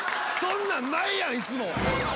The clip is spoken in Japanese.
そんなんないやんいつも。